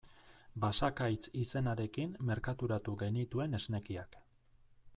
Basakaitz izenarekin merkaturatu genituen esnekiak.